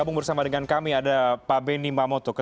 terima kasih pak